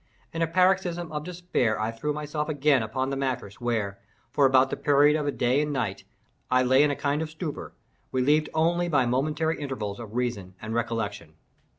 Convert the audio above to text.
In a paroxysm of despair I threw myself again upon the mattress, where, for about the period of a day and night, I lay in a kind of stupor, relieved only by momentary intervals of reason and recollection.